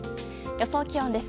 予想気温です。